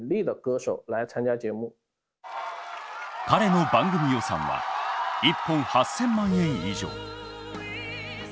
彼の番組予算は一本８，０００万円以上。